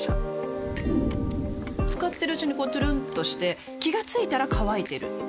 使ってるうちにこうトゥルンとして気が付いたら乾いてる